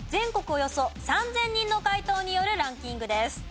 およそ３０００人の回答によるランキングです。